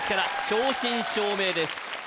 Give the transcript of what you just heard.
正真正銘です